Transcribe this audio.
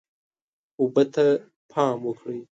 اوبه ته پام وکړئ.